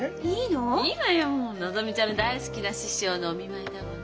のぞみちゃんの大好きな師匠のお見舞いだもの。